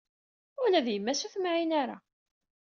Ula d yemma-s ur temniɛ ara.